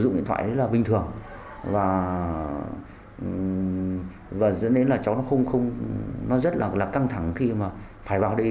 dụng điện thoại rất là bình thường và cho nên là cháu nó không nó rất là căng thẳng khi mà phải vào đây